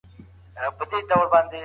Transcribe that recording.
دواړه بايد يو د بل بد عادتونه وپيژني.